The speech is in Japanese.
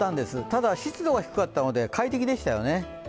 ただ湿度が低かったので快適でしたよね。